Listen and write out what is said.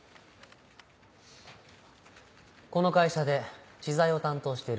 この会社で知財を担当している方は？